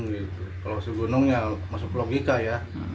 kalau segunung ya masuk logika ya